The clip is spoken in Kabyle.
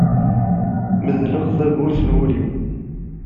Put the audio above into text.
Medleɣ tawwurt n wul-iw.